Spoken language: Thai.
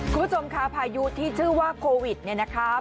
คุณผู้ชมค่ะพายุที่ชื่อว่าโควิดเนี่ยนะคะ